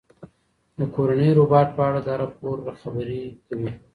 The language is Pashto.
د کورني روباټ په اړه دا راپور خبرې کوي.